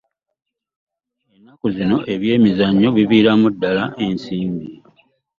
Ennaku zino ebyemizannyo biviiramu ddala ensimbi.